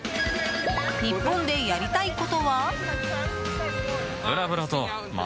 日本でやりたいことは？